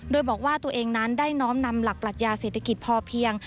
โดยบอกว่าตัวเองนั้นได้น้อมนำหลักปรัชญาเศรษฐกิจพอเพียง